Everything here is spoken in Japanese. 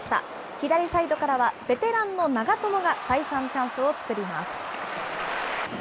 左サイドからはベテランの長友が、再三チャンスを作ります。